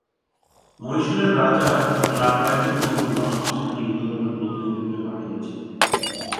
মহীশূরের রাজা এবং আর কয়েকজন বন্ধু আমাকে সেখানে হিন্দুধর্মের প্রতিনিধিরূপে পাঠাইয়াছিলেন।